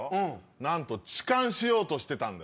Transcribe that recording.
なんと痴漢しようとしてたんだ。